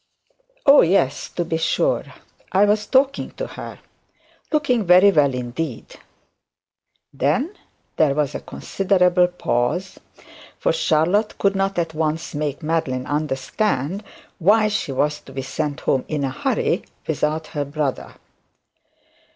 'Oh, yes, to be sure. I was talking to her. Looking very well indeed.' Then there was a considerable pause: for Charlotte could not at once make Madeline understand why she was to be sent home in a hurry without her brother.